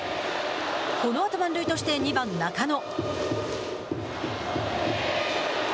このあと満塁として２番中野。